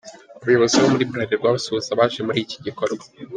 Abayobozi bo muri Bralirwa basuhuza abaje muri iki gikorwa.